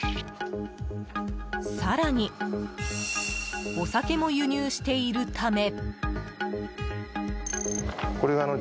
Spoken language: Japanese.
更に、お酒も輸入しているため。